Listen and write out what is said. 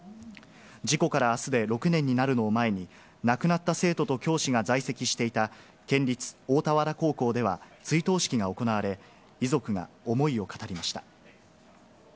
事故からあすで６年になるのを前に、亡くなった生徒と教師が在籍していた、県立大田原高校では追悼式が行われ、遺族が思いを語りました。